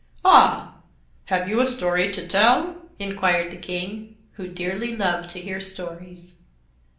"Ah! Have you a story to tell?" inquired the King, who dearly loved to hear stories.